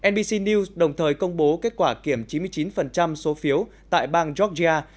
nbc news đồng thời công bố kết quả kiểm chín mươi chín số phiếu tại bang georgia